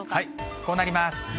こうなります。